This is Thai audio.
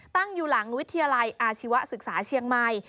ตั้งอยู่หลังวิทยาลัยอาชีวศึกษาเชียงใหม่